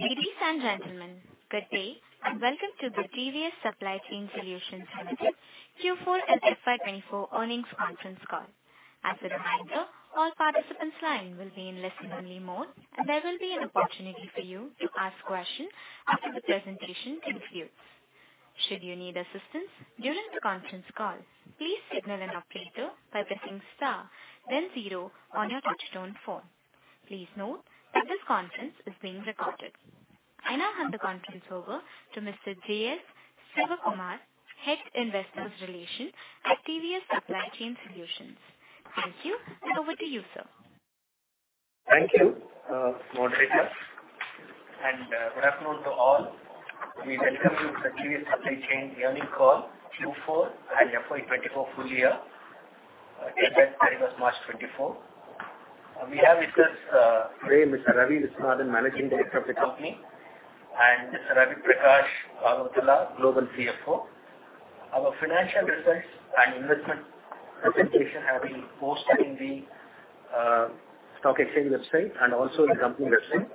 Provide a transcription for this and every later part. Ladies and gentlemen, good day. Welcome to the TVS Supply Chain Solutions Limited Q4 and FY 2024 earnings conference call. As a reminder, all participants' lines will be in listen-only mode, and there will be an opportunity for you to ask questions after the presentation concludes. Should you need assistance during the conference call, please signal an operator by pressing star, then zero on your touchtone phone. Please note that this conference is being recorded. I now hand the conference over to Mr. J.S. Sivakumar, Head of Investor Relations at TVS Supply Chain Solutions. Thank you, and over to you, sir. Thank you, moderator, and good afternoon to all. We welcome you to the TVS Supply Chain Earnings Call Q4 and FY 2024 full year, ended March 2024. We have with us today, Mr. Ravi Viswanathan, Managing Director of the company, and Mr. Ravi Prakash Bhagavatula, Global CFO. Our financial results and investment presentation have been posted in the stock exchange website and also the company website.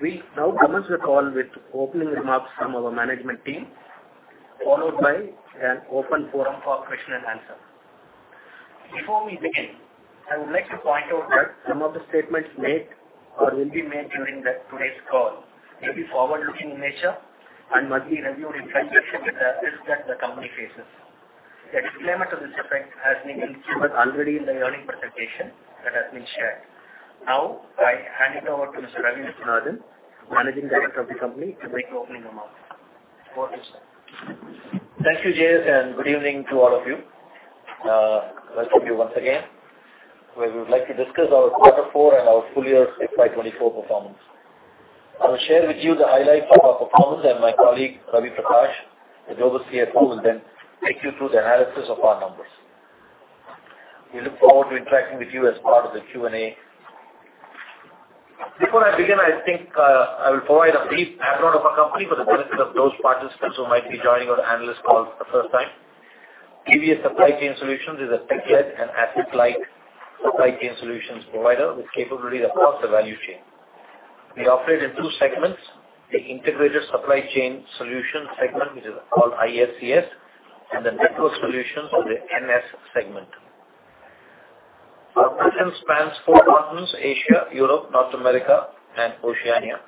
We now commence the call with opening remarks from our management team, followed by an open forum for question and answer. Before we begin, I would like to point out that some of the statements made or will be made during today's call may be forward-looking in nature and must be reviewed in conjunction with the risk that the company faces. A disclaimer to this effect has been included already in the earnings presentation that has been shared. Now, I hand it over to Mr. Ravi Viswanathan, Managing Director of the company, to make opening remarks. Over to you, sir. Thank you, J.S., and good evening to all of you. Welcome you once again. We would like to discuss our Quarter four and our full year FY 2024 performance. I will share with you the highlights of our performance, and my colleague, Ravi Prakash, the Global CFO, will then take you through the analysis of our numbers. We look forward to interacting with you as part of the Q&A. Before I begin, I think, I will provide a brief background of our company for the benefit of those participants who might be joining our analyst call for the first time. TVS Supply Chain Solutions is a tech-led and asset-light supply chain solutions provider with capabilities across the value chain. We operate in two segments, the Integrated Supply Chain Solution segment, which is called ISCS, and the Network Solutions, or the NS segment. Our presence spans 4 continents, Asia, Europe, North America, and Oceania,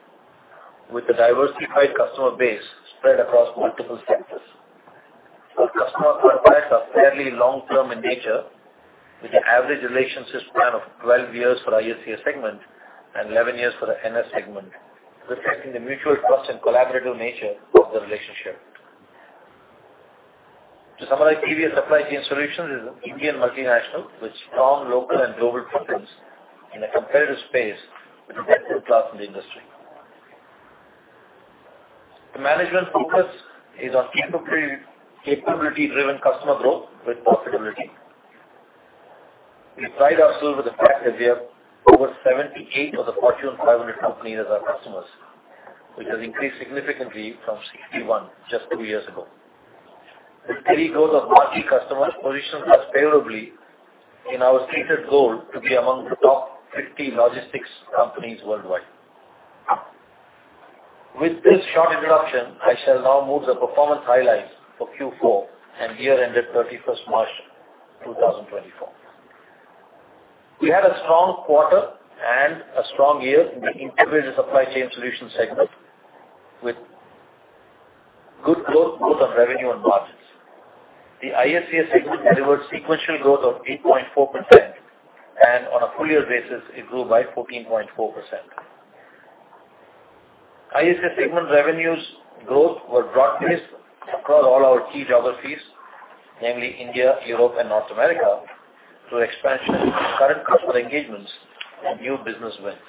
with a diversified customer base spread across multiple sectors. Our customer contracts are fairly long-term in nature, with an average relationship span of 12 years for ISCS segment and 11 years for the NS segment, reflecting the mutual trust and collaborative nature of the relationship. To summarize, TVS Supply Chain Solutions is an Indian multinational with strong local and global footprints in a competitive space with the best-in-class in the industry. The management focus is on capability, capability-driven customer growth with profitability. We pride ourselves with the fact that we have over 78 of the Fortune 500 companies as our customers, which has increased significantly from 61 just 2 years ago. With the growth of multi-customers, positions us favorably in our stated goal to be among the top 50 logistics companies worldwide. With this short introduction, I shall now move the performance highlights for Q4 and year ended 31st March, 2024. We had a strong quarter and a strong year in the Integrated Supply Chain Solutions segment, with good growth, both on revenue and margins. The ISCS segment delivered sequential growth of 8.4%, and on a full year basis, it grew by 14.4%. ISCS segment revenues growth were broad-based across all our key geographies, namely India, Europe, and North America, through expansion of current customer engagements and new business wins,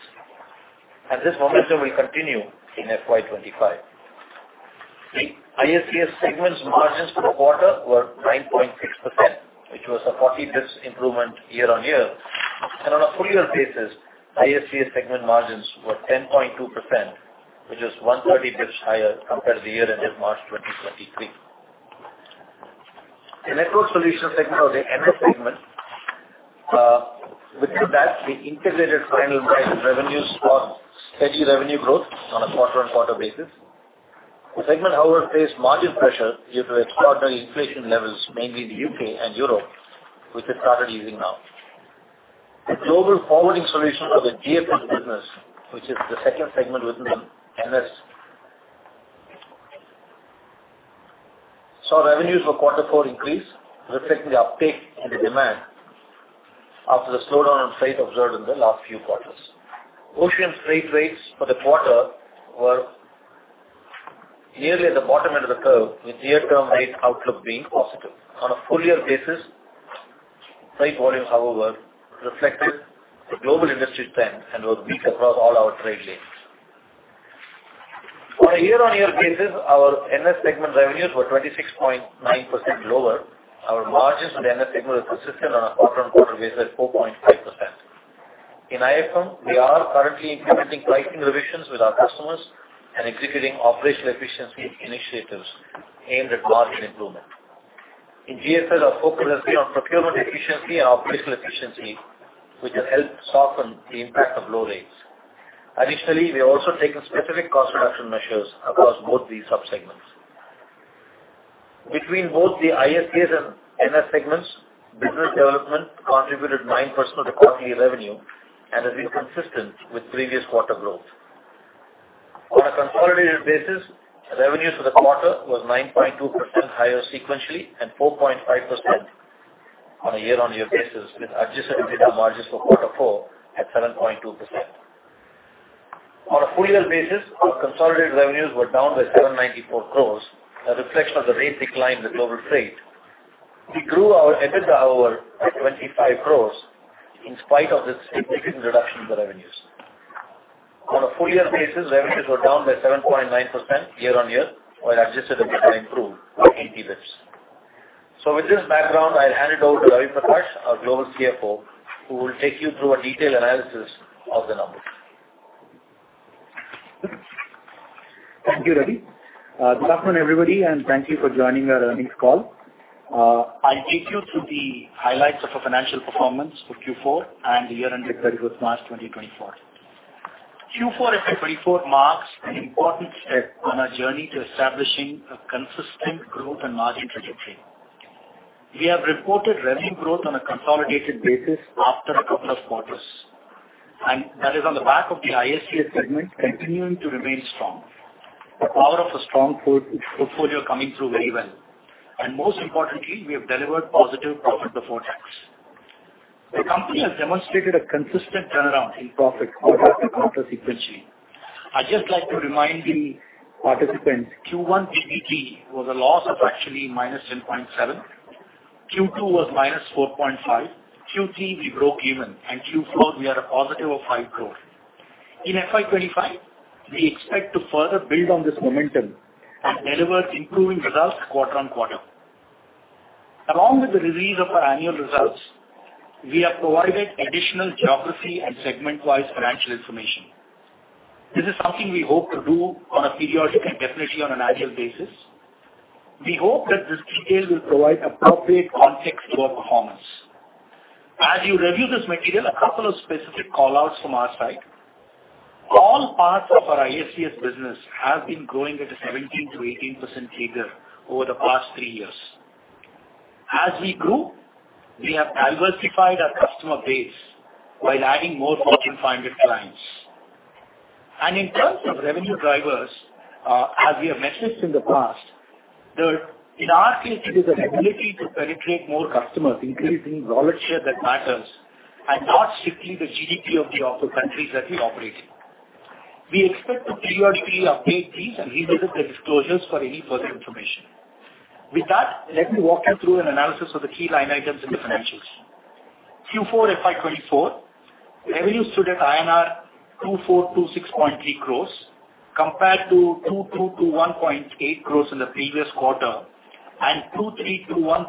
and this momentum will continue in FY25. The ISCS segments margins for the quarter were 9.6%, which was a 40 basis points improvement year-on-year, and on a full year basis, ISCS segment margins were 10.2%, which is 130 basis points higher compared to the year ended March 2023. The Network Solutions segment or the NS segment, within that, the Integrated Final Mile revenues saw steady revenue growth on a quarter-on-quarter basis. The segment, however, faced margin pressure due to extraordinary inflation levels, mainly in the U.K. and Europe, which has started easing now. The Global Forwarding Solutions or the GFS business, which is the second segment within the NS, saw revenues for quarter four increase, reflecting the uptake and the demand after the slowdown on sea observed in the last few quarters. Ocean freight rates for the quarter were nearly at the bottom end of the curve, with near-term rate outlook being positive. On a full year basis, site volume, however, reflected the global industry trend and was weak across all our trade lanes. On a year-on-year basis, our NS segment revenues were 26.9% lower. Our margins on the NS segment were consistent on a quarter-on-quarter basis at 4.5%. In IFM, we are currently implementing pricing revisions with our customers and executing operational efficiency initiatives aimed at margin improvement. In GFS, our focus has been on procurement efficiency and operational efficiency, which have helped soften the impact of low rates. Additionally, we have also taken specific cost reduction measures across both these subsegments. Between both the ISCS and NS segments, business development contributed 9% of the quarterly revenue and has been consistent with previous quarter growth. On a consolidated basis, revenues for the quarter was 9.2% higher sequentially, and 4.5% on a year-on-year basis, with Adjusted EBITDA margins for Quarter Four at 7.2%. On a full-year basis, our consolidated revenues were down by 7.4 crores, a reflection of the rate decline in the global freight. We grew our EBITDA, however, by 25 crores in spite of this significant reduction in the revenues. On a full-year basis, revenues were down by 7.9% year-on-year, while Adjusted EBITDA improved by 80 basis. With this background, I'll hand it over to Ravi Prakash, our Global CFO, who will take you through a detailed analysis of the numbers. Thank you, Ravi. Good afternoon, everybody, and thank you for joining our earnings call. I'll take you through the highlights of our financial performance for Q4 and the year ended March 2024. Q4 FY 2024 marks an important step on our journey to establishing a consistent growth and margin trajectory. We have reported revenue growth on a consolidated basis after a couple of quarters, and that is on the back of the ISCS segment continuing to remain strong. The power of a strong portfolio coming through very well, and most importantly, we have delivered positive profit before tax. The company has demonstrated a consistent turnaround in profit quarter-on-quarter sequentially. I'd just like to remind the participants, Q1 PBT was a loss of actually -10.7. Q2 was -4.5. Q3, we broke even, and Q4, we are a positive of 5 crore. In FY 25, we expect to further build on this momentum and deliver improving results quarter-on-quarter. Along with the release of our annual results, we have provided additional geography and segment-wise financial information. This is something we hope to do on a periodic and definitely on an annual basis. We hope that this detail will provide appropriate context to our performance. As you review this material, a couple of specific call-outs from our side. All parts of our ISCS business have been growing at a 17%-18% CAGR over the past 3 years. As we grew, we have diversified our customer base by adding more Fortune 500 clients. In terms of revenue drivers, as we have mentioned in the past, the, in our case, it is the ability to penetrate more customers, increasing volume share that matters, and not strictly the GDP of the, of the countries that we operate in. We expect to periodically update these and revisit the disclosures for any further information. With that, let me walk you through an analysis of the key line items in the financials. Q4 FY 2024 revenues stood at INR 2,426.3 crores, compared to 2,221.8 crores in the previous quarter, and 2,321.6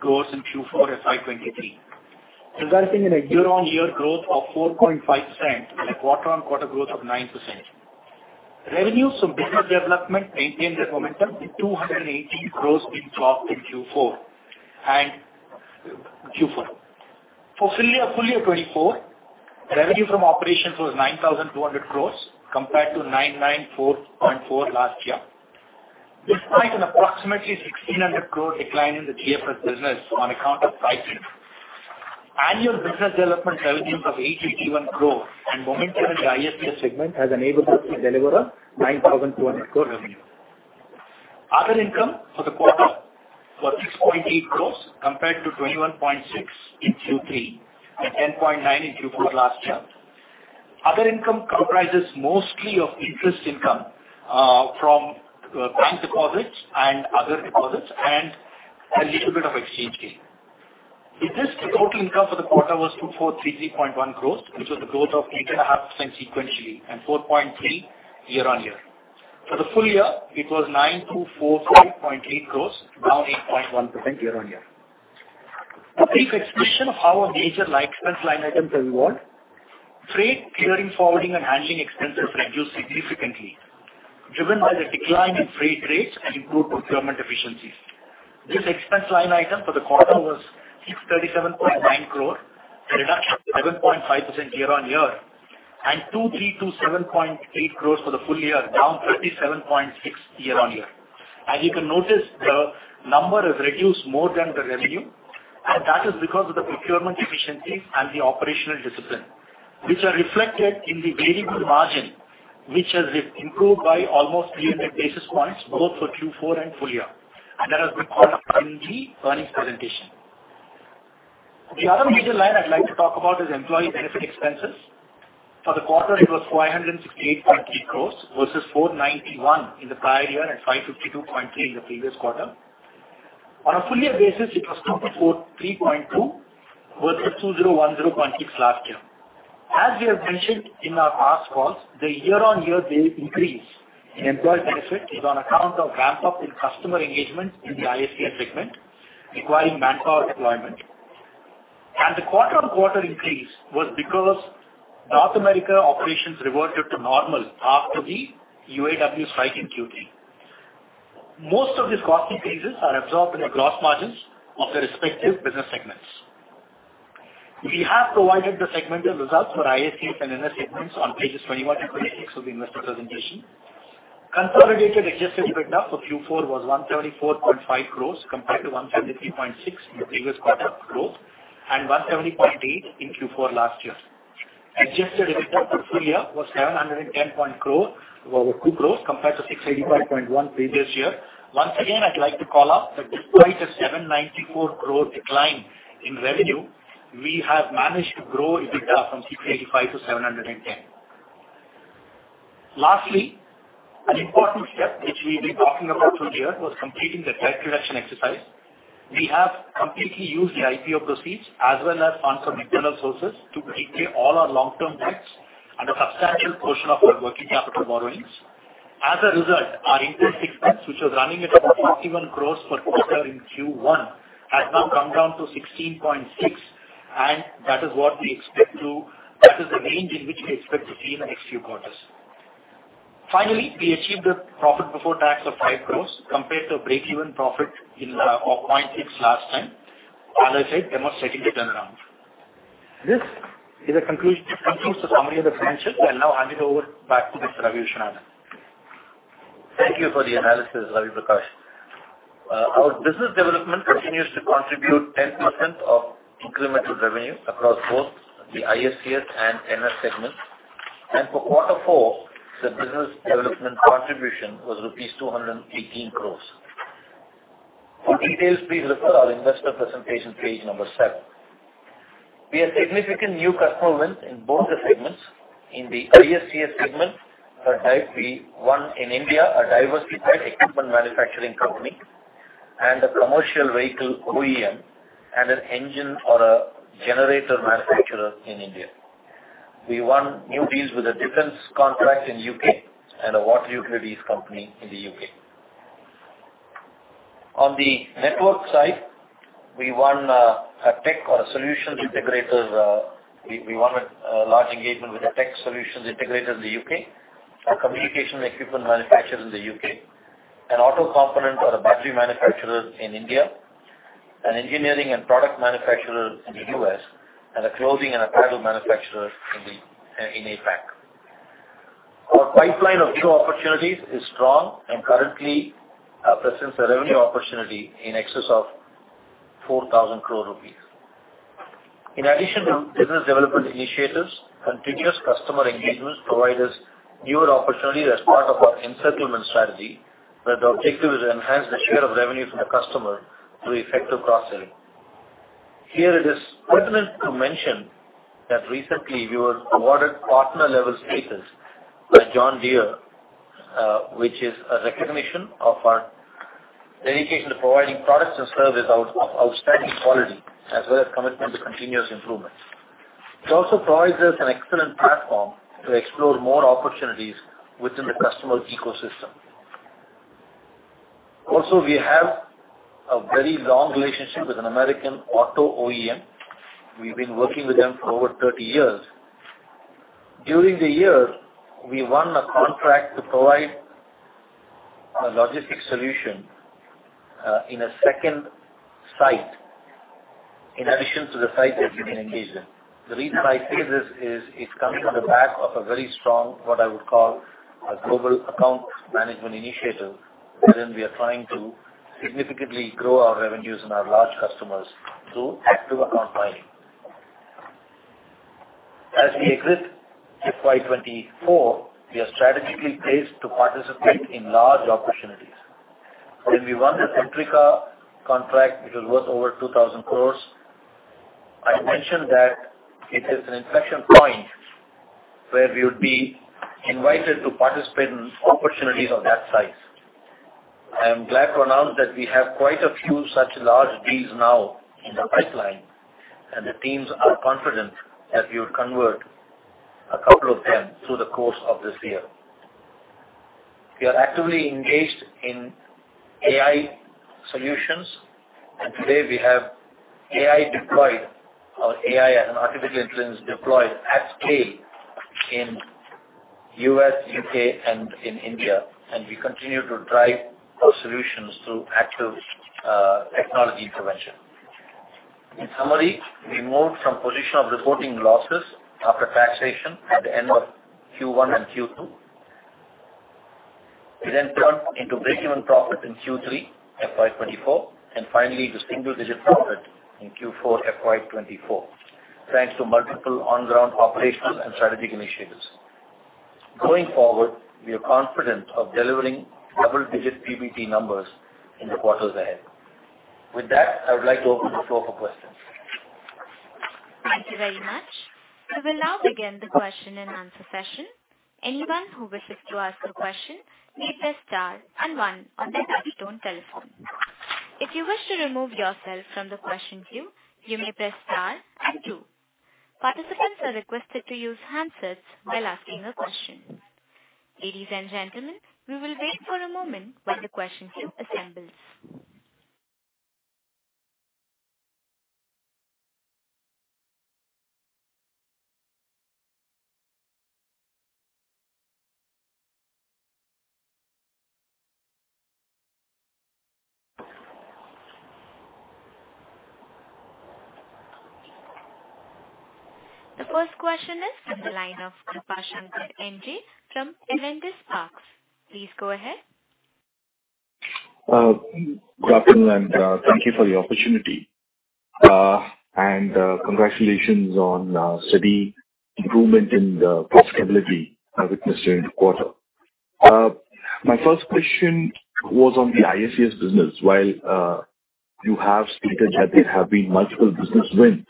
crores in Q4 FY 2023, resulting in a year-on-year growth of 4.5% and a quarter-on-quarter growth of 9%. Revenues from business development maintained their momentum, with 218 crore being dropped in Q4 and Q4. For full year, FY 2024, revenue from operations was 9,200 crore compared to 994.4 crore last year. Despite an approximately 1,600 crore decline in the GFS business on account of pricing, annual business development services of 81 crore and momentum in the ISCS segment has enabled us to deliver a 9,200 crore revenue. Other income for the quarter was 6.8 crore compared to 21.6 crore in Q3 and 10.9 crore in Q4 last year. Other income comprises mostly of interest income from bank deposits and other deposits, and a little bit of exchange gain. With this, the total income for the quarter was 2,433.1 crore, which was a growth of 8.5% sequentially and 4.3% year-on-year. For the full year, it was 9,245.8 crore, down 8.1% year-on-year. A brief explanation of how our major line expense line items have evolved. Freight clearing, forwarding, and handling expenses reduced significantly, driven by the decline in freight rates and improved procurement efficiencies. This expense line item for the quarter was 637.9 crore, a reduction of 7.5% year-on-year, and 2,327.8 crore for the full year, down 37.6% year-on-year. As you can notice, the number has reduced more than the revenue, and that is because of the procurement efficiencies and the operational discipline, which are reflected in the variable margin, which has improved by almost 300 basis points, both for Q4 and full year. And that has been called up in the earnings presentation. The other major line I'd like to talk about is employee benefit expenses. For the quarter, it was 568.3 crores versus 491 crores in the prior year, and 552.3 crores in the previous quarter. On a full year basis, it was 243.2 crores versus 2,010.6 crores last year. As we have mentioned in our past calls, the year-on-year rate increase in employee benefits is on account of ramp-up in customer engagement in the ISCS segment, requiring manpower deployment. The quarter-on-quarter increase was because North America operations reverted to normal after the UAW strike in Q3. Most of these cost increases are absorbed in the gross margins of the respective business segments. We have provided the segmented results for ISCS and NS segments on pages 21 and 26 of the investor presentation. Consolidated Adjusted EBITDA for Q4 was 134.5 crore compared to 173.6 crore in the previous quarter growth, and 170.8 crore in Q4 last year. Adjusted EBITDA for full year was 710.2 crore, compared to 685.1 crore previous year. Once again, I'd like to call out that despite a 7.94% growth decline in revenue, we have managed to grow EBITDA from 685 crore to 710 crore. Lastly, an important step which we've been talking about through the year was completing the debt reduction exercise. We have completely used the IPO proceeds as well as funds from internal sources to repay all our long-term debts and a substantial portion of our working capital borrowings. As a result, our interest expense, which was running at about 41 crore per quarter in Q1, has now come down to 16.6 crore, and that is what we expect to-- That is the range in which we expect to be in the next few quarters. Finally, we achieved a PBT of 5 crore compared to a breakeven profit of 0.6 last time. As I said, we are not second to turnaround. This concludes the summary of the financials. I'll now hand it over back to Mr. Ravi Viswanathan. Thank you for the analysis, Ravi Prakash. Our business development continues to contribute 10% of incremental revenue across both the ISCS and NS segments, and for quarter four, the business development contribution was rupees 218 crores. For details, please refer our investor presentation, page 7. We have significant new customer wins in both the segments. In the ISCS segment, a type we won in India, a diversified equipment manufacturing company and a commercial vehicle OEM, and an engine or a generator manufacturer in India. We won new deals with a defense contract in U.K. and a water utilities company in the U.K. On the network side, we won a tech or a solutions integrator. We won a large engagement with a tech solutions integrator in the U.K., a communication equipment manufacturer in the U.K., an auto component or a battery manufacturer in India, an engineering and product manufacturer in the U.S., and a clothing and apparel manufacturer in APAC. Our pipeline of new opportunities is strong and currently presents a revenue opportunity in excess of 4,000 crore rupees. In addition to business development initiatives, continuous customer engagements provide us newer opportunities as part of our encirclement strategy, where the objective is to enhance the share of revenue from the customer through effective cross-selling. Here it is pertinent to mention that recently we were awarded partner-level status by John Deere, which is a recognition of our dedication to providing products and services of outstanding quality, as well as commitment to continuous improvement. It also provides us an excellent platform to explore more opportunities within the customer ecosystem. Also, we have a very long relationship with an American auto OEM. We've been working with them for over 30 years. During the year, we won a contract to provide a logistics solution, in a second site, in addition to the site that we have been engaged in. The reason I say this is it comes on the back of a very strong, what I would call, a global account management initiative, wherein we are trying to significantly grow our revenues and our large customers through active account planning. As we exit FY 2024, we are strategically placed to participate in large opportunities. When we won the Centrica contract, which was worth over 2,000 crore, I mentioned that it is an inflection point where we would be invited to participate in opportunities of that size. I am glad to announce that we have quite a few such large deals now in the pipeline, and the teams are confident that we would convert a couple of them through the course of this year. We are actively engaged in AI solutions, and today we have AI deployed. Our AI and artificial intelligence deployed at scale in U.S., U.K., and in India, and we continue to drive our solutions through active technology intervention. In summary, we moved from position of reporting losses after taxation at the end of Q1 and Q2. We then turned into breakeven profit in Q3 FY24, and finally, the single-digit profit in Q4 FY24, thanks to multiple on-ground operations and strategic initiatives. Going forward, we are confident of delivering double-digit PBT numbers in the quarters ahead. With that, I would like to open the floor for questions. Thank you very much. We will now begin the question-and-answer session. Anyone who wishes to ask a question may press star and one on their telephone. If you wish to remove yourself from the question queue, you may press star and two.... Participants are requested to use handsets while asking a question. Ladies and gentlemen, we will wait for a moment while the question queue assembles. The first question is from the line of Krupal Maniar from Edelweiss. Please go ahead. Good afternoon, and thank you for the opportunity. Congratulations on steady improvement in the profitability I witnessed during the quarter. My first question was on the ISCS business. While you have stated that there have been multiple business wins,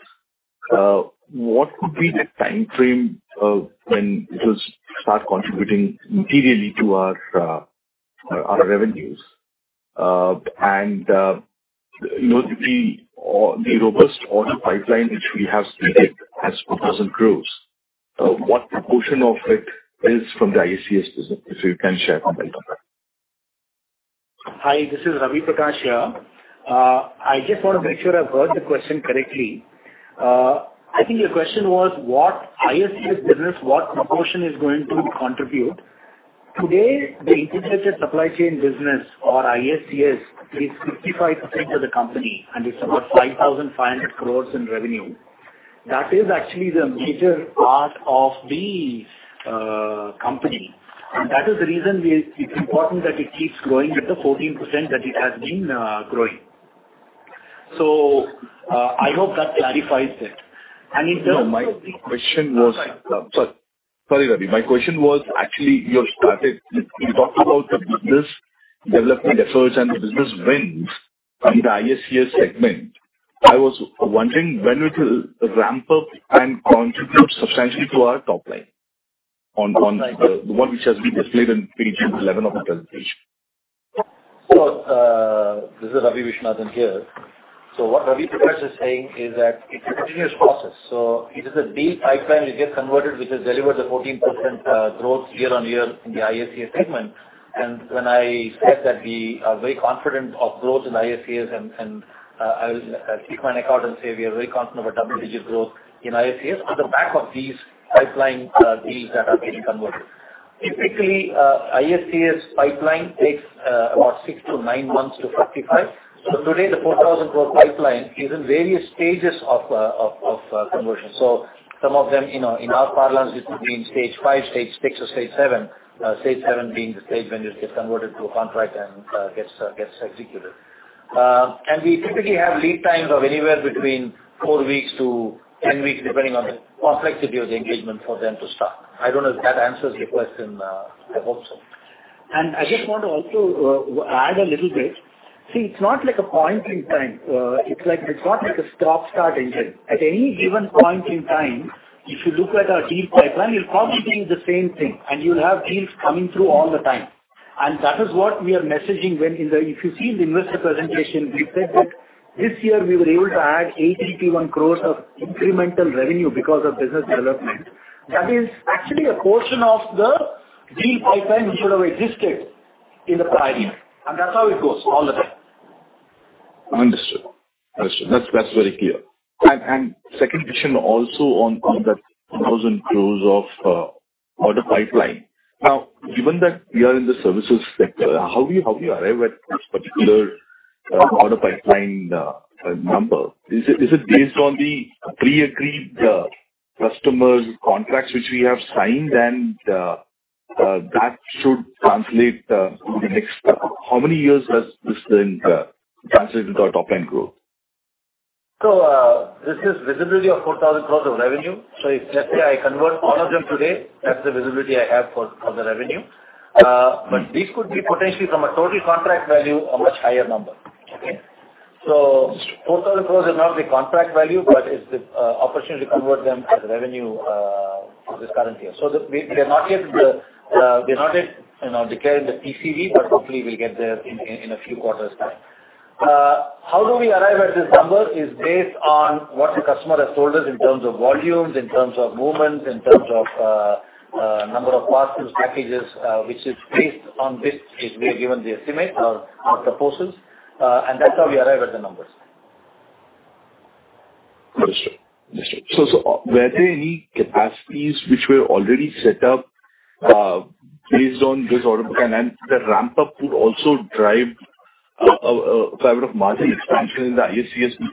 what would be the timeframe of when it will start contributing materially to our revenues? And you know, the robust order pipeline, which we have stated has INR 4,000 crore, what proportion of it is from the ISCS business? If you can share on that. Hi, this is Ravi Prakash here. I just want to make sure I've heard the question correctly. I think your question was, what ISCS business, what proportion is going to contribute? Today, the integrated supply chain business or ISCS, is 65% of the company, and it's about 5,500 crores in revenue. That is actually the major part of the company, and that is the reason it's important that it keeps growing at the 14% that it has been growing. I hope that clarifies it. And in terms of- No, my question was... Sorry. Sorry, Ravi. My question was, actually, you have started, you talked about the business development efforts and the business wins in the ISCS segment. I was wondering when it will ramp up and contribute substantially to our top line, on, on the one which has been displayed on page 11 of the presentation. So, this is Ravi Viswanathan here. So what Ravi Prakash is saying is that it's a continuous process, so it is a deal pipeline, we get converted, which has delivered the 14% growth year-on-year in the ISCS segment. And when I said that we are very confident of growth in ISCS, and, and, I will keep my record and say we are very confident of a double-digit growth in ISCS on the back of these pipeline deals that are getting converted. Typically, ISCS pipeline takes about six to nine months to rectify. So today, the 4,000 crore pipeline is in various stages of conversion. So some of them, you know, in our parlance, this would be in stage five, stage six, or stage seven. Stage seven being the stage when it gets converted to a contract and gets executed. And we typically have lead times of anywhere between 4 weeks-10 weeks, depending on the complexity of the engagement for them to start. I don't know if that answers your question. I hope so. I just want to also add a little bit. See, it's not like a point in time, it's like it's not like a stop-start engine. At any given point in time, if you look at our deal pipeline, you'll probably think the same thing, and you'll have deals coming through all the time. And that is what we are messaging when, in the investor presentation, we said that this year we were able to add 81 crores of incremental revenue because of business development. That is actually a portion of the deal pipeline, which would have existed in the prior year, and that's how it goes all the time. Understood. Understood. That's, that's very clear. And, and second question, also on, on the 1,000 crore order pipeline. Now, given that we are in the services sector, how do you, how do you arrive at this particular order pipeline, number? Is it, is it based on the pre-agreed, customers contracts, which we have signed and, that should translate, to the next... How many years does this then, translate into our top-line growth? So, this is visibility of 4,000 crore of revenue. So if let's say I convert all of them today, that's the visibility I have for the revenue. But this could be potentially from a total contract value, a much higher number. Okay? So 4,000 crores is not the contract value, but it's the opportunity to convert them to the revenue, this current year. So, we're not yet, we're not yet, you know, declaring the TCV, but hopefully we'll get there in a few quarters' time. How do we arrive at this number? Is based on what the customer has told us in terms of volumes, in terms of movements, in terms of number of parcels, packages, which is based on which we have given the estimate or, or proposals, and that's how we arrive at the numbers. Understood. Understood. So were there any capacities which were already set up, based on this order? And then the ramp-up would also drive a kind of margin expansion in the ISCS business.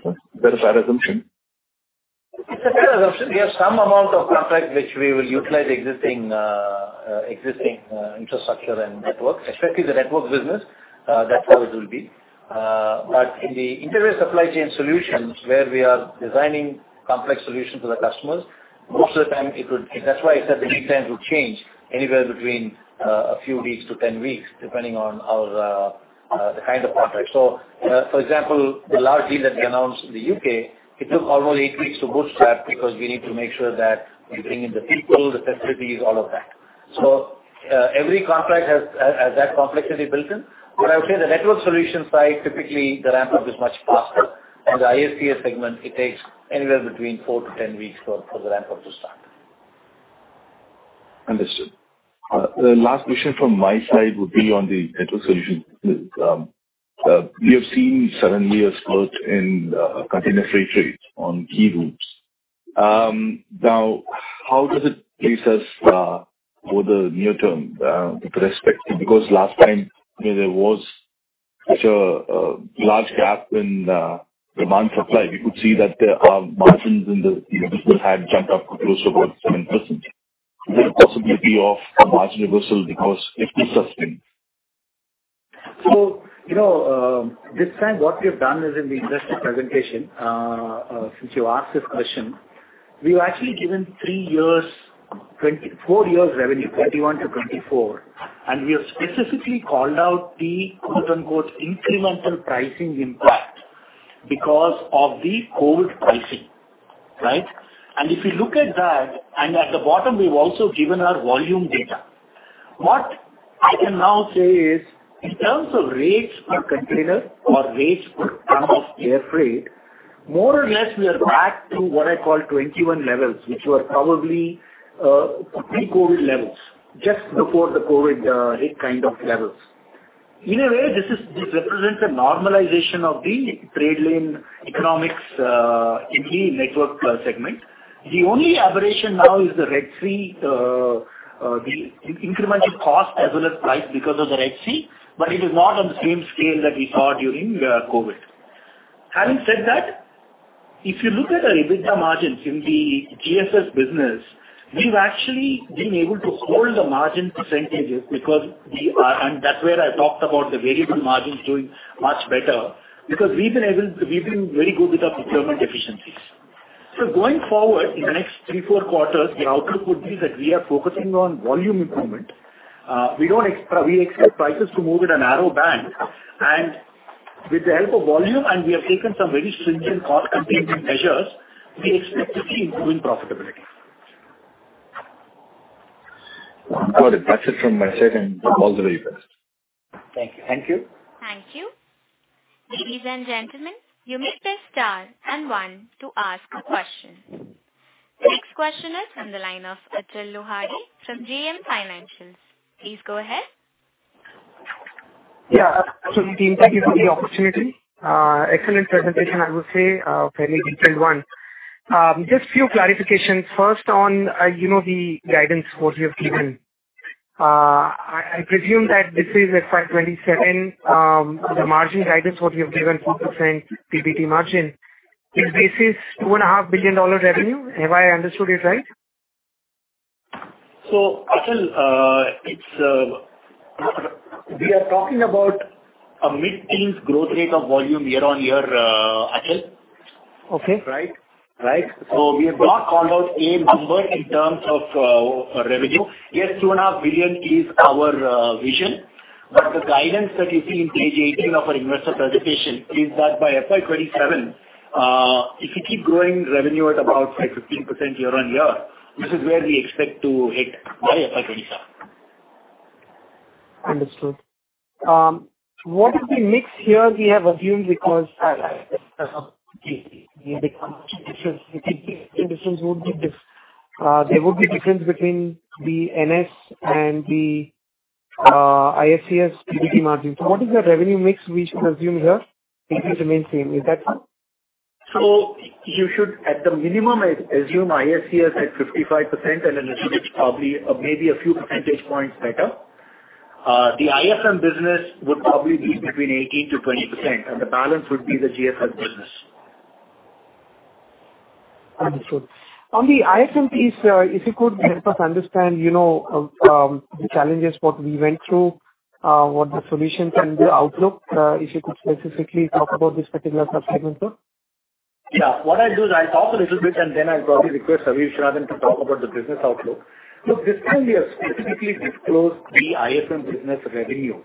Is that assumption? We have some amount of contract which we will utilize existing infrastructure and network, especially the network business. That's how it will be. But in the Integrated Supply Chain Solutions, where we are designing complex solutions for the customers, most of the time it would... That's why I said the lead time will change anywhere between a few weeks to 10 weeks, depending on the kind of contract. So, for example, the large deal that we announced in the U.K., it took almost 8 weeks to boost that, because we need to make sure that we bring in the people, the facilities, all of that.... So, every contract has that complexity built in. But I would say the Network Solutions side, typically the ramp-up is much faster. And the ISCS segment, it takes anywhere between 4-10 weeks for the ramp-up to start. Understood. The last question from my side would be on the network solution. We have seen seven years growth in container freight rate on key routes. Now, how does it place us for the near term with respect to... Because last time, you know, there was such a large gap in demand supply. We could see that the margins in the business had jumped up to close to about 7%. Is there a possibility of a margin reversal because it is sustained? So, you know, this time what we have done is in the investor presentation, since you asked this question, we've actually given 3 years, 24 years revenue, 21 to 24, and we have specifically called out the quote, unquote, "incremental pricing impact" because of the cold pricing, right? And if you look at that, and at the bottom, we've also given our volume data. What I can now say is, in terms of rates per container or rates per ton of air freight, more or less, we are back to what I call 21 levels, which were probably, pre-COVID levels, just before the COVID, hit kind of levels. In a way, this is, this represents a normalization of the trade lane economics, in the network per segment. The only aberration now is the Red Sea, the incremental cost as well as price because of the Red Sea, but it is not on the same scale that we saw during COVID. Having said that, if you look at our EBITDA margins in the GFS business, we've actually been able to hold the margin percentages because we are. And that's where I talked about the variable margins doing much better, because we've been very good with our procurement efficiencies. So going forward, in the next three, four quarters, the outlook would be that we are focusing on volume improvement. We expect prices to move in a narrow band, and with the help of volume, and we have taken some very stringent cost containment measures, we expect to see improving profitability. Got it. That's it from my side, and all the very best. Thank you. Thank you. Ladies and gentlemen, you may press star and one to ask a question. The next question is from the line of Achal Lohani from JM Financial. Please go ahead. Yeah, absolutely, thank you for the opportunity. Excellent presentation, I would say, a very detailed one. Just few clarifications. First, on, you know, the guidance what you have given. I presume that this is at $527, the margin guidance, what you have given 4% PBT margin. Is this $2.5 billion revenue? Have I understood it right? So, Achal, it's, we are talking about a mid-teens growth rate of volume year on year, Achal. Okay. Right? Right. So we have not called out a number in terms of, revenue. Yes, 2.5 billion is our, vision, but the guidance that you see in page 18 of our investor presentation is that by FY 2027, if you keep growing revenue at about, say, 15% year-on-year, this is where we expect to hit by FY 2027. Understood. What is the mix here we have assumed, because the difference would be there would be difference between the NS and the ISCS PBT margin. So what is the revenue mix we should assume here? It is the main theme, is that right? So you should, at the minimum, assume ISCS at 55% and then probably, maybe a few percentage points better. The IFM business would probably be between 18%-20%, and the balance would be the GFS business. Understood. On the ISCS piece, if you could help us understand, you know, the challenges, what we went through, what the solution can be, outlook, if you could specifically talk about this particular segment too. Yeah. What I'll do is I'll talk a little bit, and then I'll probably request Ravishankar to talk about the business outlook. Look, this time we have specifically disclosed the ISCS business revenue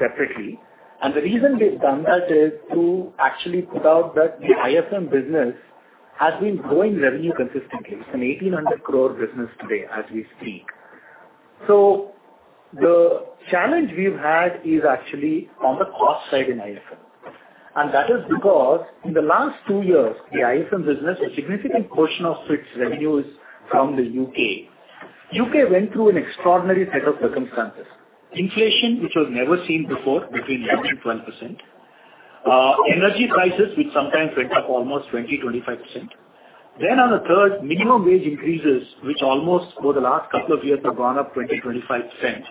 separately, and the reason we've done that is to actually put out that the ISCS business has been growing revenue consistently. It's an 1,800 crore business today, as we speak. So the challenge we've had is actually on the cost side in ISCS, and that is because in the last two years, the ISCS business, a significant portion of its revenue is from the UK. UK went through an extraordinary set of circumstances: inflation, which was never seen before, between 11%-12%, energy prices, which sometimes went up almost 20%-25%. Then on the third, minimum wage increases, which almost over the last couple of years have gone up 20%-25%.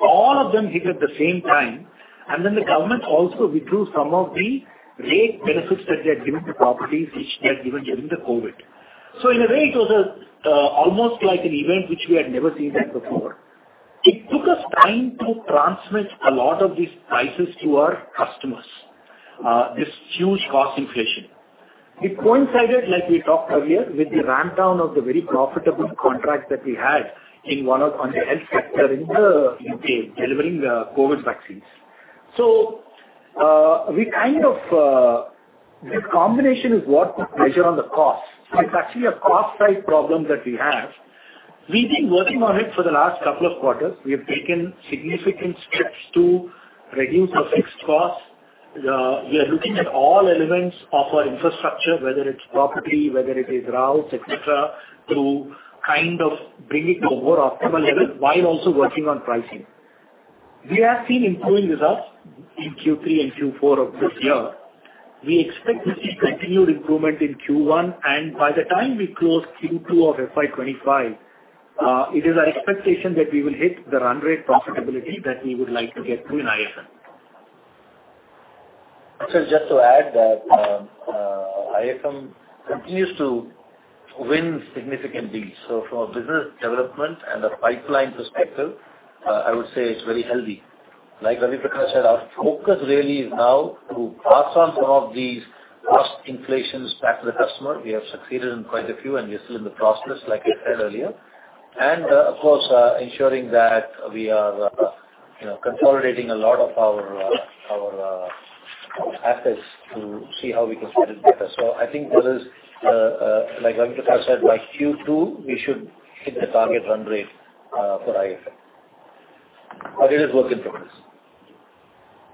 All of them hit at the same time, and then the government also withdrew some of the rate benefits that they had given to properties which they had given during the COVID. So in a way, it was almost like an event which we had never seen that before. It took us time to transmit a lot of these prices to our customers this huge cost inflation. It coincided, like we talked earlier, with the ramp down of the very profitable contracts that we had in one of- on the health sector in the U.K., delivering COVID vaccines. So we kind of the combination is what to measure on the cost. It's actually a cost type problem that we have. We've been working on it for the last couple of quarters. We have taken significant steps to reduce our fixed costs. We are looking at all elements of our infrastructure, whether it's property, whether it is routes, et cetera, to kind of bring it to a more optimal level while also working on pricing. We have seen improving results in Q3 and Q4 of this year. We expect to see continued improvement in Q1, and by the time we close Q2 of FY 25, it is our expectation that we will hit the run rate profitability that we would like to get to in IFM. So just to add that, IFM continues to win significant deals. So from a business development and a pipeline perspective, I would say it's very healthy. Like Ravi Prakash said, our focus really is now to pass on some of these cost inflations back to the customer. We have succeeded in quite a few, and we are still in the process, like I said earlier. And, of course, ensuring that we are, you know, consolidating a lot of our assets to see how we can get it better. So I think this is, like Ravi Prakash said, by Q2, we should hit the target run rate, for IFM. But it is work in progress.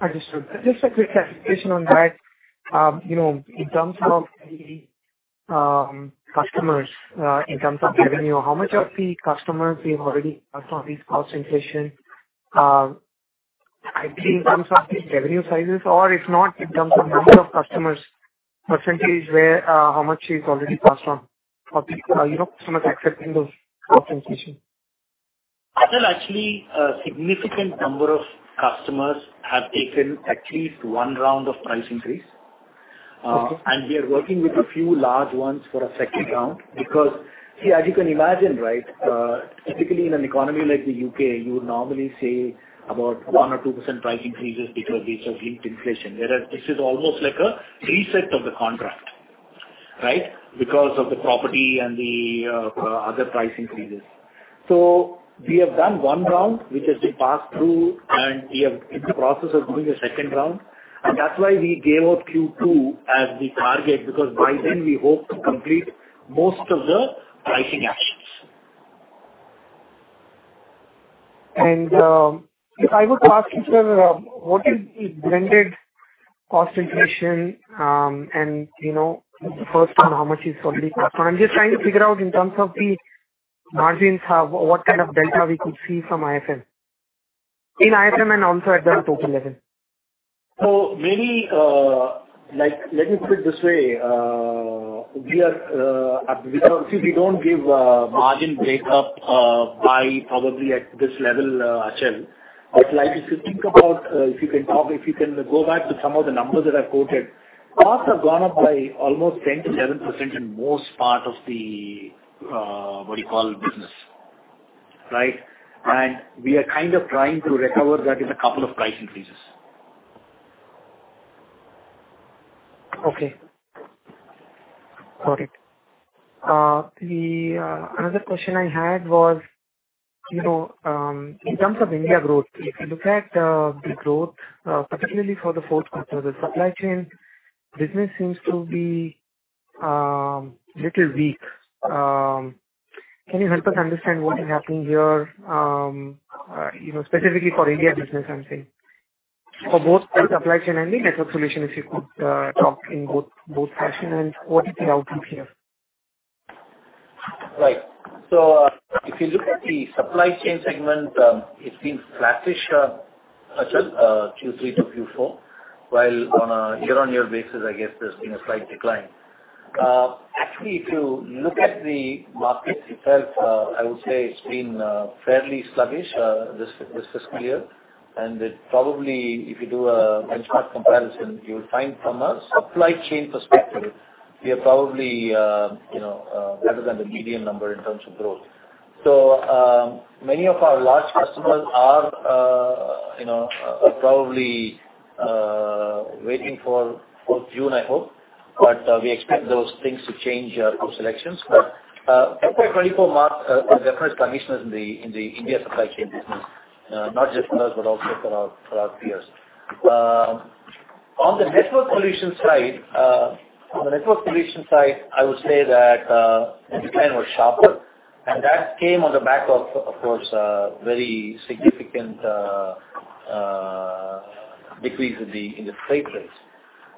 Understood. Just a quick clarification on that. You know, in terms of the customers, in terms of revenue, how much of the customers we have already passed on these cost inflation, I think in terms of the revenue sizes, or if not, in terms of number of customers, percentage where, how much is already passed on, or, you know, customers accepting those cost inflation? Well, actually, a significant number of customers have taken at least one round of price increase. Okay. And we are working with a few large ones for a second round, because, see, as you can imagine, right, typically in an economy like the U.K., you would normally say about 1 or 2% price increases because of linked inflation, whereas this is almost like a reset of the contract, right? Because of the property and the other price increases. So we have done one round, which has been passed through, and we are in the process of doing a second round. And that's why we gave out Q2 as the target, because by then we hope to complete most of the pricing actions. If I were to ask you, sir, what is the blended cost inflation, and, you know, first, on how much is already passed on? I'm just trying to figure out in terms of the margins, what kind of delta we could see from IFM. In IFM and also at the total level. So maybe, like, let me put it this way. We are... Because, see, we don't give margin breakup by probably at this level, Achal. But like, if you think about, if you can go back to some of the numbers that I've quoted, costs have gone up by almost 10%-7% in most part of the, what you call, business, right? And we are kind of trying to recover that in a couple of price increases. Okay. Got it. Another question I had was, you know, in terms of India growth, if you look at the growth, particularly for the fourth quarter, the supply chain business seems to be little weak. Can you help us understand what is happening here, you know, specifically for India business, I'm saying? For both the supply chain and the network solution, if you could talk in both, both fashion and what is the outlook here? Right. So if you look at the supply chain segment, it seems flattish, Achal, Q3 to Q4, while on a year-on-year basis, I guess there's been a slight decline. Actually, if you look at the market itself, I would say it's been fairly sluggish, this fiscal year. And it probably, if you do a benchmark comparison, you'll find from a supply chain perspective, we are probably, you know, better than the median number in terms of growth. So, many of our large customers are, you know, probably waiting for post-June, I hope, but we expect those things to change post-elections. But, FY 2024 marked a resurgence in the India supply chain business, not just for us, but also for our peers. On the Network Solutions side, I would say that the decline was sharper, and that came on the back of, of course, a very significant decrease in the freight rates.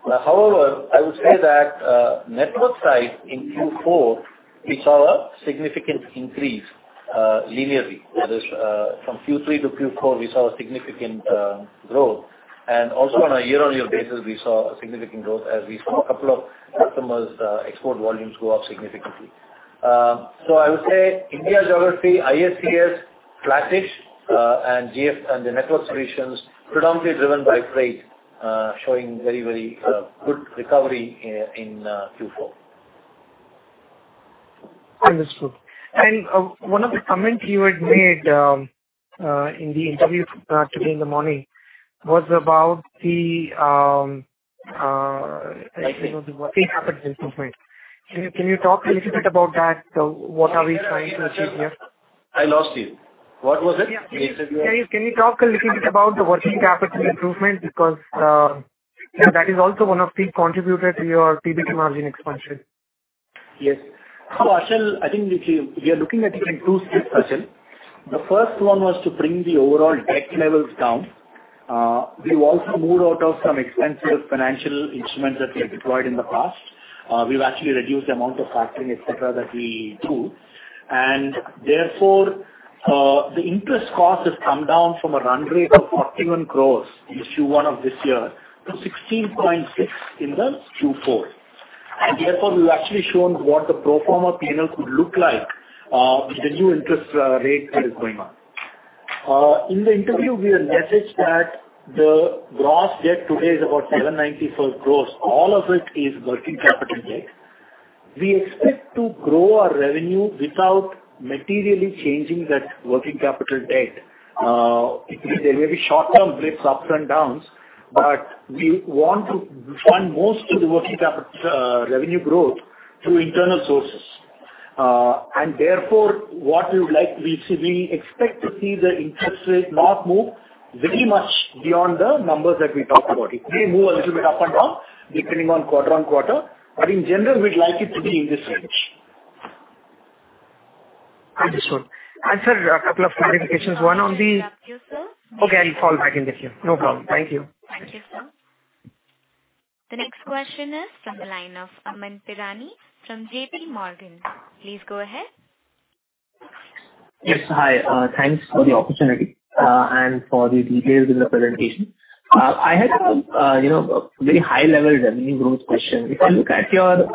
However, I would say that Network Solutions side in Q4, we saw a significant increase linearly. That is, from Q3 to Q4, we saw a significant growth, and also on a year-on-year basis, we saw a significant growth as we saw a couple of customers export volumes go up significantly. So I would say India geography, ISCS, flattish, and GF, and the Network Solutions predominantly driven by freight, showing very, very good recovery in Q4. Understood. One of the comments you had made in the interview today in the morning was about the working capital improvement. Can you, can you talk a little bit about that? What are we trying to achieve here? I lost you. What was it? You said you- Can you, can you talk a little bit about the working capital improvement? Because, that is also one of the contributor to your PBT margin expansion. Yes. So, Achal, I think if you... We are looking at it in two splits, Achal. The first one was to bring the overall debt levels down. We've also moved out of some expensive financial instruments that we had deployed in the past. We've actually reduced the amount of factoring, et cetera, that we do. And therefore, the interest cost has come down from a run rate of 41 crores in Q1 of this year to 16.6 crores in the Q4. And therefore, we've actually shown what the pro forma P&L could look like, with the new interest rate that is going on. In the interview, we had messaged that the gross debt today is about 794 crores. All of it is working capital debt. We expect to grow our revenue without materially changing that working capital debt. It may, there may be short-term blips, ups and downs, but we want to fund most of the working capital, revenue growth through internal sources. And therefore, what we would like, we see, we expect to see the interest rate not move very much beyond the numbers that we talked about. It may move a little bit up and down, depending on quarter-on-quarter, but in general, we'd like it to be in this range. Understood. And, sir, a couple of clarifications, one on the- Thank you, sir. Okay, I'll call back in the queue. No problem. Thank you. Thank you, sir. The next question is from the line of Amyn Pirani from J.P. Morgan. Please go ahead. Yes, hi. Thanks for the opportunity and for the details in the presentation. I had a, you know, a very high-level revenue growth question. If I look at your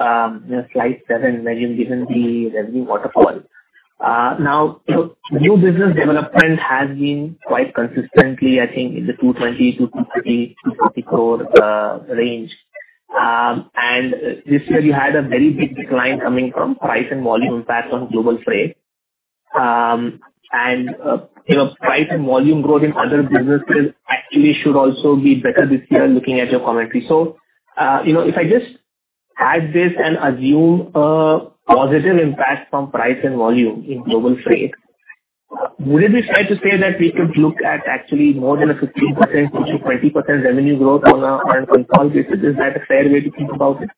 slide 7, where you've given the revenue waterfall, now, you know, new business development has been quite consistently, I think, in the 220 crore, 250 crore, 250 crore range. And this year you had a very big decline coming from price and volume impact on global freight. And, you know, price and volume growth in other businesses actually should also be better this year, looking at your commentary. So, you know, if I just add this and assume a positive impact from price and volume in global freight, would it be fair to say that we could look at actually more than a 15%-20% revenue growth on a consol basis? Is that a fair way to think about it?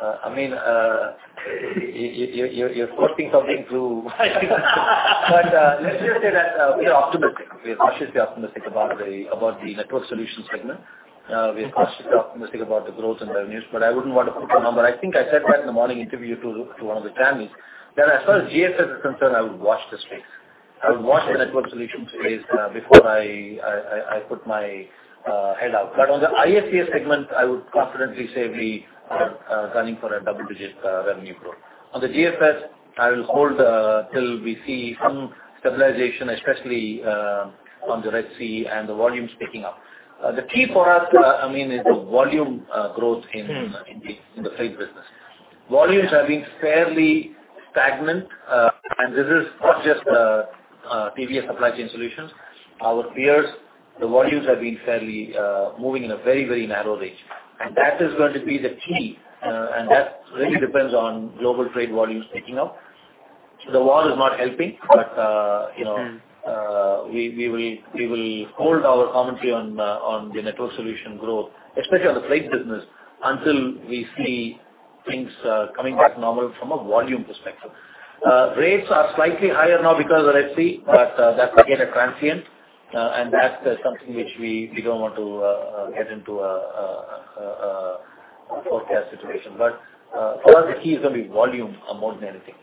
I mean, you're quoting something, true, but let's just say that we are optimistic. We are cautiously optimistic about the Network Solutions segment. We are cautiously optimistic about the growth in revenues, but I wouldn't want to put a number. I think I said that in the morning interview to one of the channels, that as far as GFS is concerned, I would watch the space. I would watch the Network Solutions space before I put my head out. But on the ISCS segment, I would confidently say we are gunning for a double-digit revenue growth. On the GFS, I will hold till we see some stabilization, especially on the Red Sea and the volumes picking up. The key for us, I mean, is the volume growth in- Mm. In the freight business. Volumes have been fairly stagnant, and this is not just TVS Supply Chain Solutions. Our peers, the volumes have been fairly moving in a very, very narrow range, and that is going to be the key, and that really depends on global trade volumes picking up. The war is not helping, but, you know- Mm. We will hold our commentary on the Network Solutions growth, especially on the freight business, until we see things coming back normal from a volume perspective. Rates are slightly higher now because of Red Sea, but that's again a transient, and that's something which we don't want to get into a forecast situation. But for us, the key is going to be volume more than anything.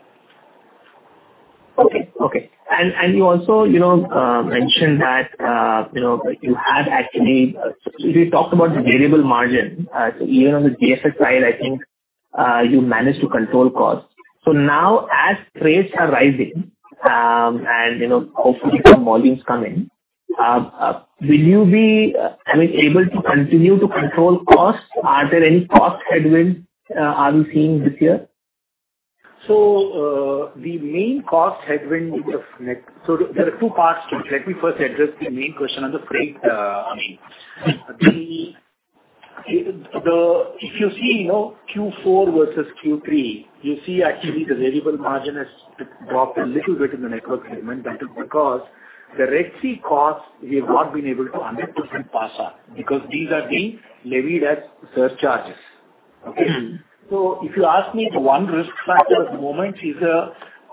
Okay, okay. And you also, you know, mentioned that you know, you had actually talked about the variable margin, so even on the GFS side, I think you managed to control costs. So now as rates are rising, and you know, hopefully some volumes come in, will you be, I mean, able to continue to control costs? Are there any cost headwinds you are seeing this year? So, the main cost headwind. So there are two parts to it. Let me first address the main question on the freight, I mean. The-- If you see, you know, Q4 versus Q3, you see actually the variable margin has dropped a little bit in the network segment. That is because the Red Sea costs, we have not been able to 100% pass on, because these are being levied as surcharges. Okay? Mm-hmm. So if you ask me, the one risk factor at the moment is,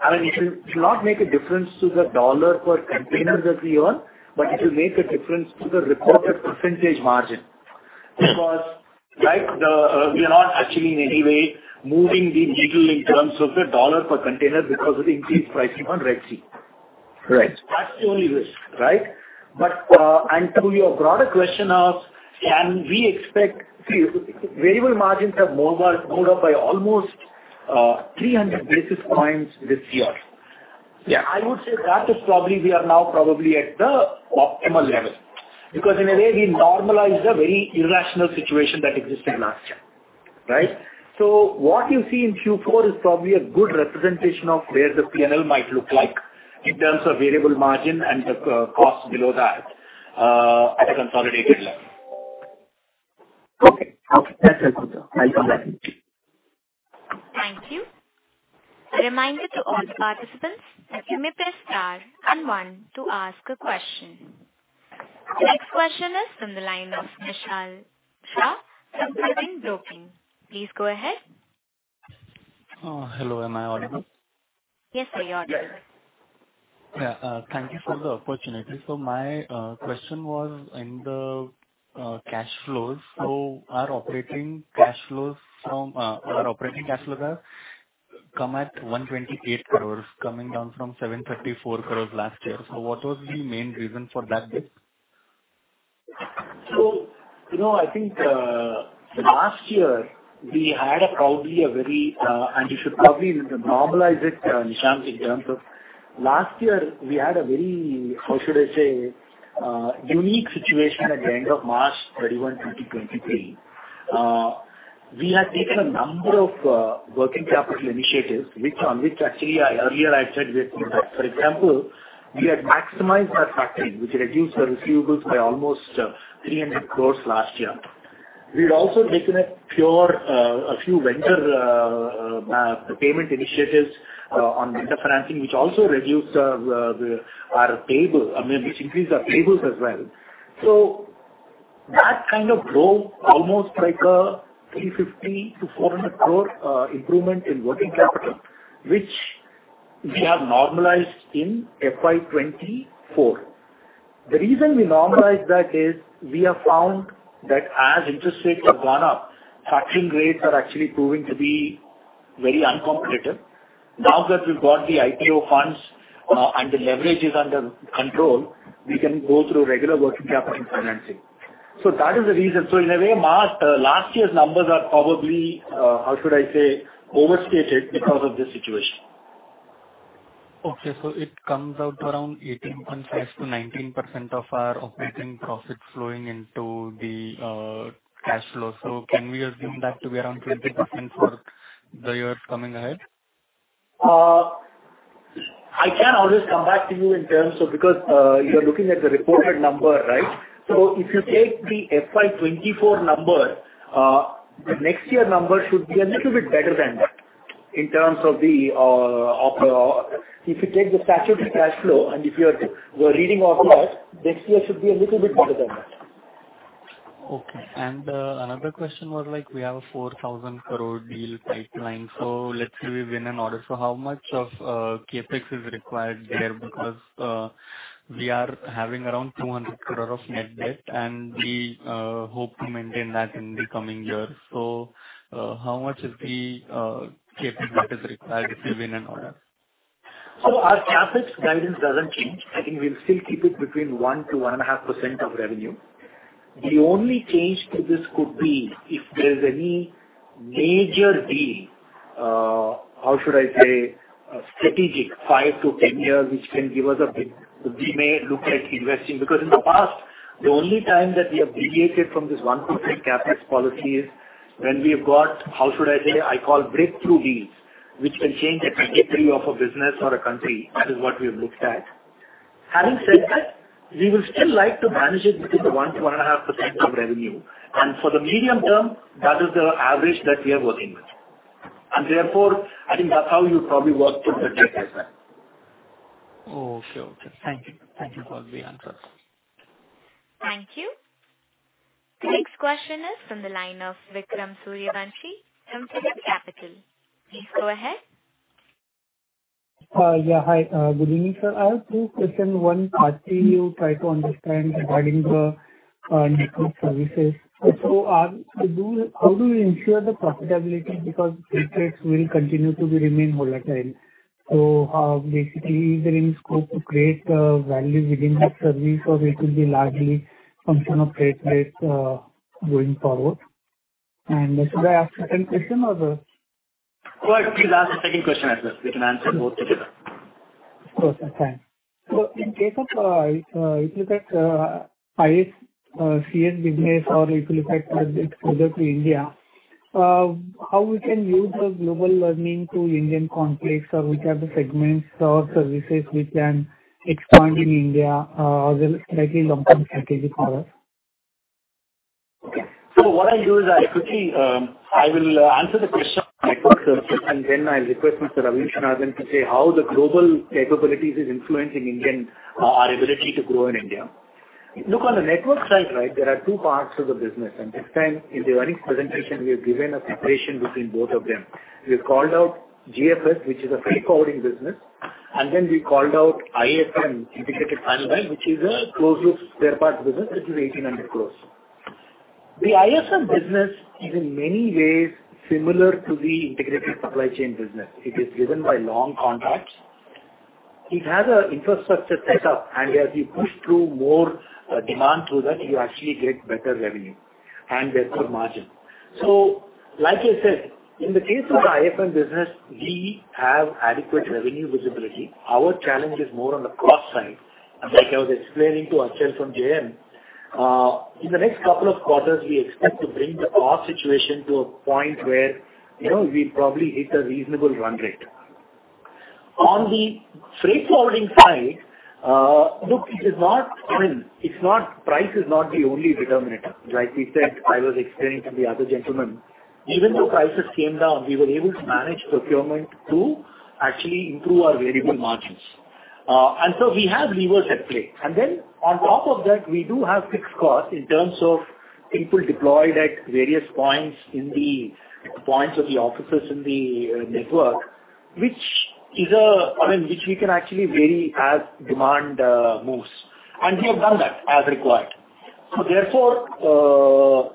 I mean, it will not make a difference to the dollar per container that we earn, but it will make a difference to the reported percentage margin. Because, right, the, we are not actually in any way moving the needle in terms of the dollar per container because of the increased pricing on Red Sea. Right. That's the only risk, right? But and to your broader question of can we expect... Variable margins have more up by almost 300 basis points this year. Yeah. I would say that is probably, we are now probably at the optimal level, because in a way, we normalized a very irrational situation that existed last year. Right. So what you see in Q4 is probably a good representation of where the P&L might look like in terms of variable margin and the cost below that at a consolidated level. Okay, okay. That's helpful, sir. I'll come back. Thank you. A reminder to all participants that you may press star and one to ask a question. The next question is from the line of Nishit Shah, from Kotak Securities. Please go ahead. Hello, am I audible? Yes, sir, you're audible. Yeah, thank you for the opportunity. So my question was in the cash flows. So our operating cash flows have come at 128 crore, coming down from 734 crore last year. So what was the main reason for that dip? So, you know, I think, last year we had probably a very... And you should probably normalize it, Nishit, in terms of last year, we had a very, how should I say, unique situation at the end of March 31, 2023. We had taken a number of working capital initiatives, which actually I earlier said we had done that. For example, we had maximized our factoring, which reduced the receivables by almost 300 crore last year. We had also taken a few vendor payment initiatives on vendor financing, which also reduced the our payable, I mean, which increased our payables as well. So that kind of drove almost like an 350 crore-400 crore improvement in working capital, which we have normalized in FY 2024. The reason we normalized that is, we have found that as interest rates have gone up, factoring rates are actually proving to be very uncompetitive. Now that we've got the IPO funds, and the leverage is under control, we can go through regular working capital financing. That is the reason. In a way, last, last year's numbers are probably, how should I say, overstated because of this situation. Okay. So it comes out to around 18.5%-19% of our operating profits flowing into the cash flow. So can we assume that to be around 20% for the years coming ahead? I can always come back to you in terms of... Because you're looking at the reported number, right? So if you take the FY 2024 number, the next year number should be a little bit better than that in terms of the, if you take the statutory cash flow, and if you are reading off that, next year should be a little bit better than that. Okay. And another question was like, we have a 4,000 crore deal pipeline, so let's say we win an order. So how much of CapEx is required there? Because we are having around 200 crore of net debt, and we hope to maintain that in the coming years. So how much is the CapEx that is required if we win an order? So our CapEx guidance doesn't change. I think we'll still keep it between 1%-1.5% of revenue. The only change to this could be if there's any major deal, how should I say, strategic, 5-10 years, which can give us a bit, we may look at investing. Because in the past, the only time that we have deviated from this 1% CapEx policy is when we've got, how should I say, I call breakthrough deals, which can change the trajectory of a business or a country. That is what we have looked at. Having said that, we will still like to manage it between the 1%-1.5% of revenue, and for the medium term, that is the average that we are working with. Therefore, I think that's how you probably work through the debt like that. Okay. Okay. Thank you. Thank you for the answers. Thank you. The next question is from the line of Vikram Suryavanshi from PhillipCapital. Please go ahead. Yeah. Hi, good evening, sir. I have two questions. One part, I try to understand regarding the Network Solutions. So, how do you ensure the profitability? Because rates will continue to remain volatile. So, basically, is there any scope to create value within the service, or it will be largely function of rate base going forward? And should I ask second question or...? Go ahead. Please ask the second question as well. We can answer both together. Of course, sir. Fine. So in case of, if you look at ISCS business, or if you look at further to India, how we can use the global learning to Indian context, or which are the segments or services we can expand in India, as a slightly long-term strategy for us? Okay. So what I'll do is I'll quickly, I will answer the question, and then I'll request Mr. Ravichandran to say how the global capabilities is influencing Indian, our ability to grow in India. Look, on the network side, right, there are two parts to the business, and this time in the earnings presentation, we have given a separation between both of them. We've called out GFS, which is a freight forwarding business, and then we called out IFM, Integrated Supply Chain, which is a closed-loop spare parts business, which is 1,800 crore. The IFM business is in many ways similar to the integrated supply chain business. It is driven by long contracts. It has an infrastructure set up, and as you push through more, demand through that, you actually get better revenue and better margin. So like I said, in the case of the ISCS business, we have adequate revenue visibility. Our challenge is more on the cost side. Like I was explaining to Achal from JM, in the next couple of quarters, we expect to bring the cost situation to a point where, you know, we probably hit a reasonable run rate. On the freight forwarding side, look, it is not, I mean, it's not- price is not the only determinant. Like we said, I was explaining to the other gentleman, even though prices came down, we were able to manage procurement to actually improve our variable margins. And so we have levers at play. And then on top of that, we do have fixed costs in terms of people deployed at various points in the points of the offices in the, network, which is a... I mean, which we can actually vary as demand moves, and we have done that as required. So therefore,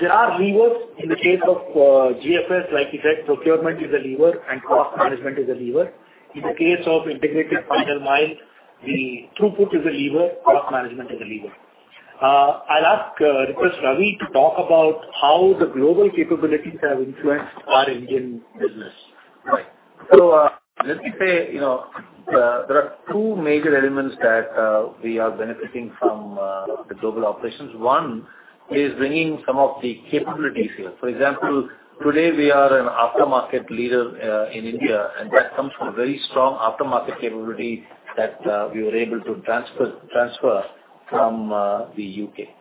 there are levers in the case of GFS, like you said, procurement is a lever and cost management is a lever. In the case of Integrated Final Mile, the throughput is a lever, cost management is a lever. I'll ask, request Ravi to talk about how the global capabilities have influenced our Indian business. Right. So, let me say, you know, there are two major elements that we are benefiting from, the global operations. One is bringing some of the capabilities here. For example, today we are an aftermarket leader in India, and that comes from a very strong aftermarket capability that we were able to transfer from the U.K.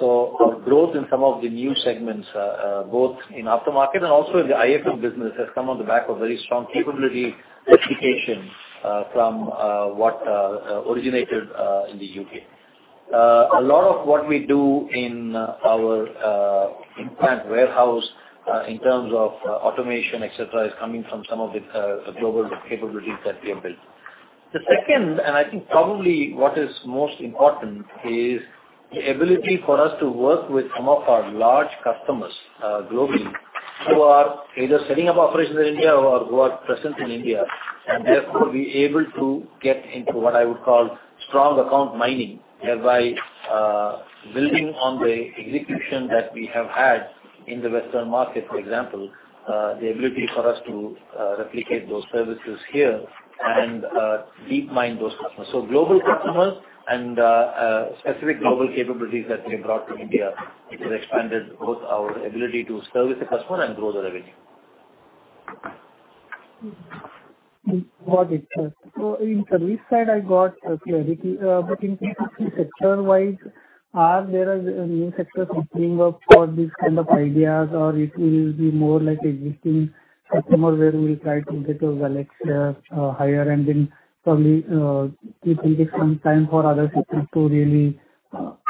So our growth in some of the new segments, both in aftermarket and also in the IFM business, has come on the back of a very strong capability replication from what originated in the U.K. A lot of what we do in our in-plant warehouse, in terms of automation, et cetera, is coming from some of the global capabilities that we have built. The second, and I think probably what is most important, is the ability for us to work with some of our large customers, globally, who are either setting up operations in India or who are present in India. And therefore, we are able to get into what I would call strong account mining, whereby, building on the execution that we have had in the Western market, for example, the ability for us to, replicate those services here and, deep mine those customers. So global customers and, specific global capabilities that we have brought to India, it has expanded both our ability to service the customer and grow the revenue. Got it, sir. So in service side, I got clarity, but in terms of sector-wise, are there any sectors opening up for these kind of ideas, or it will be more like existing customers where we will try to get those wallet share higher, and then probably, it will take some time for other sectors to really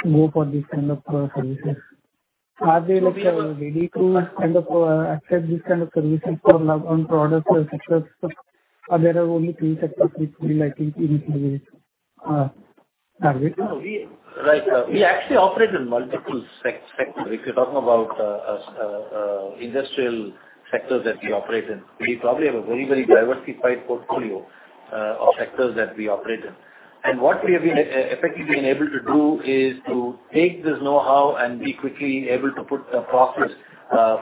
go for these kind of services? Are they like ready to kind of accept these kind of services for on products or sectors, or there are only few sectors which we like to introduce, are they? No, we... Right, we actually operate in multiple sectors. If you're talking about industrial sectors that we operate in, we probably have a very, very diversified portfolio of sectors that we operate in. And what we have been effectively been able to do is to take this know-how and be quickly able to put processes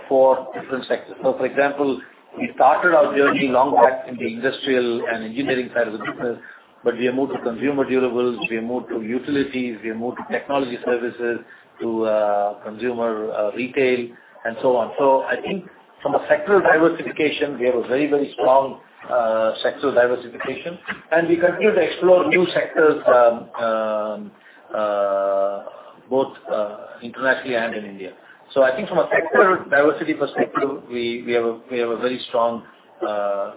for different sectors. So, for example, we started our journey long back in the industrial and engineering side of the business, but we have moved to consumer durables, we have moved to utilities, we have moved to technology services, to consumer retail, and so on. So I think from a sectoral diversification, we have a very, very strong sectoral diversification, and we continue to explore new sectors both internationally and in India. So I think from a sector diversity perspective, we have a very strong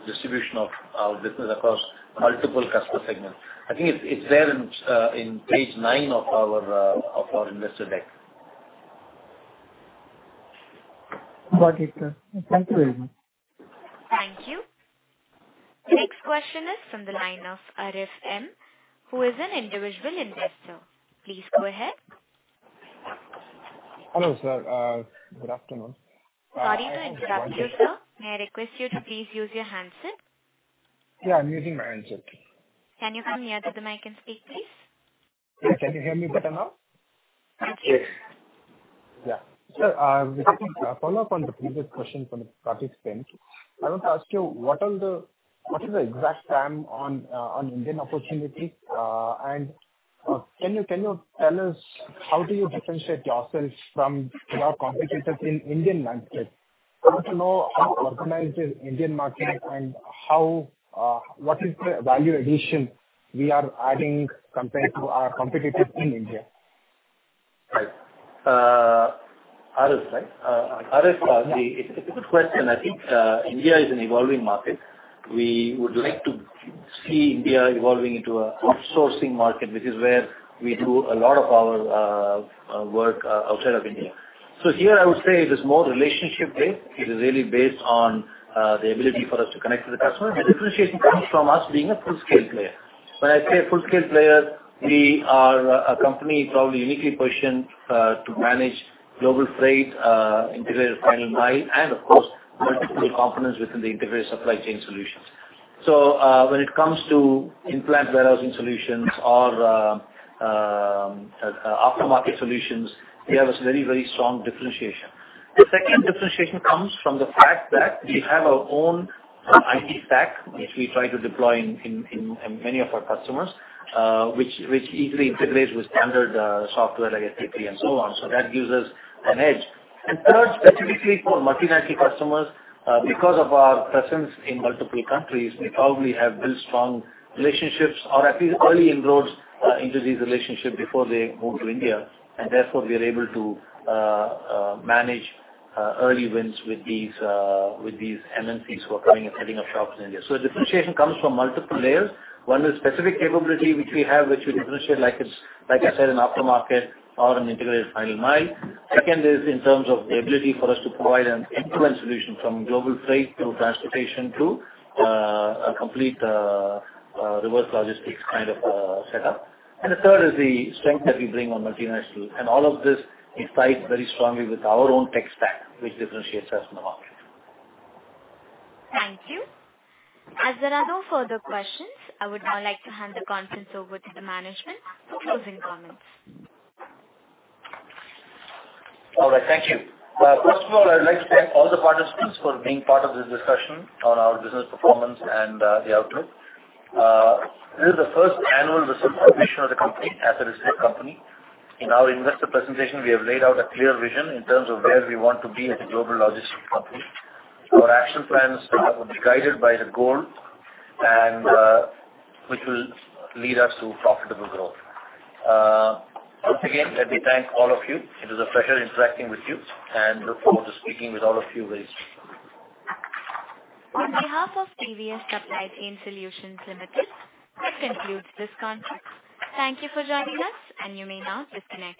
distribution of our business across multiple customer segments. I think it's there in page nine of our investor deck. Got it, sir. Thank you very much. Thank you. The next question is from the line of Arif M, who is an individual investor. Please go ahead. Hello, sir. Good afternoon. Sorry to interrupt you, sir. May I request you to please use your handset? Yeah, I'm using my handset. Can you come near to the mic and speak, please? Yeah. Can you hear me better now? Thank you. Yes. Yeah. Sir, just to follow up on the previous question from the participant, I want to ask you, what are the-- what is the exact time on, on Indian opportunity? And, can you tell us how do you differentiate yourselves from your competitors in Indian landscape? I want to know how organized is Indian market and how... What is the value addition we are adding compared to our competitors in India? Right. Arif, right? Arif, it's a good question. I think, India is an evolving market. We would like to see India evolving into a outsourcing market, which is where we do a lot of our work outside of India. So here I would say it is more relationship-based. It is really based on the ability for us to connect to the customer. The differentiation comes from us being a full-scale player. When I say a full-scale player, we are a company probably uniquely positioned to manage global freight, integrated final mile, and of course, multiple components within the integrated supply chain solutions. So, when it comes to in-plant warehousing solutions or aftermarket solutions, we have a very, very strong differentiation. The second differentiation comes from the fact that we have our own IT stack, which we try to deploy in many of our customers, which easily integrates with standard software like SAP and so on. So that gives us an edge. And third, specifically for multinational customers, because of our presence in multiple countries, we probably have built strong relationships or at least early inroads into these relationships before they move to India, and therefore, we are able to manage early wins with these MNCs who are coming and setting up shop in India. So differentiation comes from multiple layers. One is specific capability, which we have, which we differentiate, like I said, an aftermarket or an integrated final mile. Second is in terms of the ability for us to provide an end-to-end solution from global freight to transportation to, a complete, reverse logistics kind of, setup. And the third is the strength that we bring on multinational. And all of this is tied very strongly with our own tech stack, which differentiates us in the market. Thank you. As there are no further questions, I would now like to hand the conference over to the management for closing comments. All right, thank you. First of all, I'd like to thank all the participants for being part of this discussion on our business performance and the outlook. This is the first annual results submission of the company as a listed company. In our investor presentation, we have laid out a clear vision in terms of where we want to be as a global logistics company. Our action plans will be guided by the goal and which will lead us to profitable growth. Once again, let me thank all of you. It was a pleasure interacting with you and look forward to speaking with all of you very soon. On behalf of TVS Supply Chain Solutions Limited, this concludes this conference. Thank you for joining us, and you may now disconnect.